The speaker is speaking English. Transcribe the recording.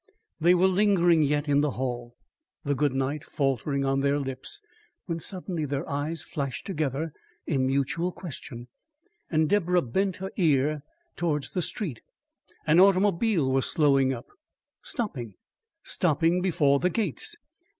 They were lingering yet in the hall, the goodnight faltering on their lips, when suddenly their eyes flashed together in mutual question, and Deborah bent her ear towards the street. An automobile was slowing up stopping stopping before the gates!